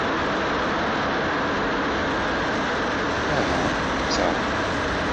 Aha, tter!